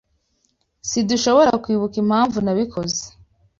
Sidushobora kwibuka impamvu nabikoze.